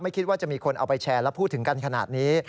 คิดว่าจะมีคนเอาไปแชร์และพูดถึงกันขนาดนี้